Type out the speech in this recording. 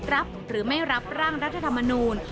รับหรือไม่รับร่างรัฐธรรมนูล